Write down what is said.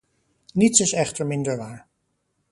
Niets is echter minder waar.